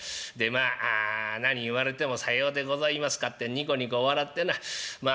まあ何言われても『さようでございますか』ってニコニコ笑ってなま